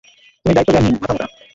তুমি দায়িত্বজ্ঞানহীন, মাথামোটা।